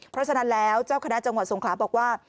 เพราะฉะนั้นแล้วเจ้าคณะจังหวัดสงขลาบอกว่า